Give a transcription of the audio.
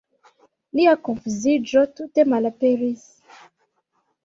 Lia konfuziĝo tute malaperis.